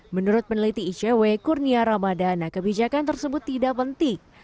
menurut peneliti icw kurnia ramadana kebijakan tersebut tidak penting